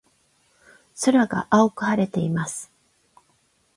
空が青く晴れています。